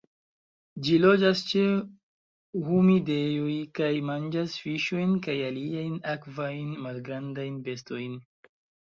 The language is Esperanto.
Ĝi loĝas ĉe humidejoj kaj manĝas fiŝojn kaj aliajn akvajn malgrandajn bestojn.